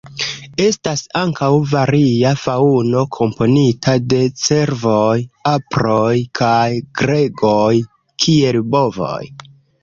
Estas ankaŭ varia faŭno komponita de cervoj, aproj, kaj gregoj kiel bovoj.